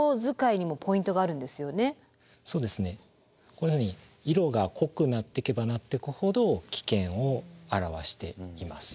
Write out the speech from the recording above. こんなふうに色が濃くなっていけばなっていくほど危険を表しています。